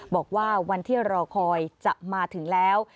บอกว่าวันที่รอคอยจะมาถึงแล้ว